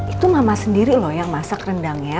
itu mama sendiri loh yang masak rendangnya